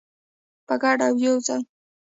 په ګډه او یوځای.